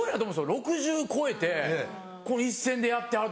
６０超えて一線でやってはる。